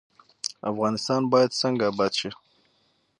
افغانستان باید څنګه اباد شي؟